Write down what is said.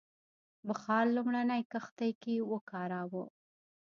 بخار لومړنۍ کښتۍ کې وکاراوه.